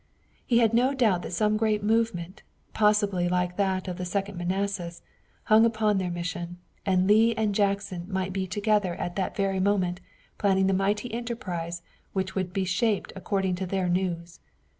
He had no doubt that some great movement, possibly like that of the Second Manassas, hung upon their mission, and Lee and Jackson might be together at that very moment, planning the mighty enterprise which would be shaped according to their news.